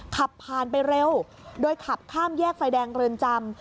ขับผ่านไปเร็วโดยขับข้ามแยกไฟแดงเรือนจำ